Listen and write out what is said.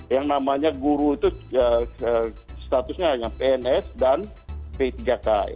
yang namanya guru itu statusnya hanya pns dan p tiga k